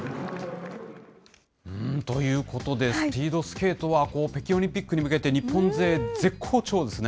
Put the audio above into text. ということで、スピードスケートは、北京オリンピックに向けて、日本勢、絶好調ですね。